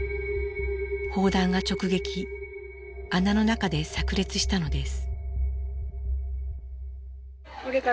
砲弾が直撃穴の中でさく裂したのです。